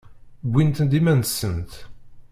Wwint-d iman-nsent.